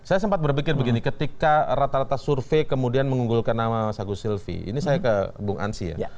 saya sempat berpikir begini ketika rata rata survei kemudian mengunggulkan nama mas agus silvi ini saya ke bung ansi ya